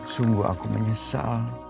sungguh aku menyesal